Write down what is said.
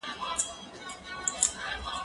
زه هره ورځ سیر کوم،